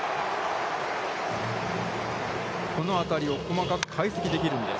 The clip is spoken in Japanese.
この当たりを細かく解析できるんです。